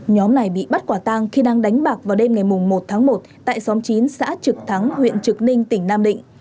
nhóm này bị bắt quả tang khi đang đánh bạc vào đêm ngày một tháng một tại xóm chín xã trực thắng huyện trực ninh tỉnh nam định